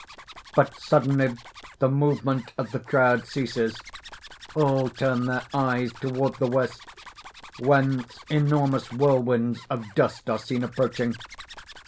_ _But suddenly the movement of the crowd ceases; all turn their eyes toward the west, whence enormous whirlwinds of dust are seen approaching.